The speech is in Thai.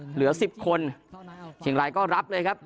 เหลือ๑๐คนเชียงรายก็รับเลยครับ